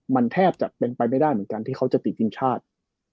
มันแทบจะเป็นไปไม่ได้เหมือนกันที่เขาจะติดทีมชาติ